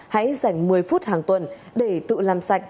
hãy dành một mươi phút hàng tuần để tự làm sạch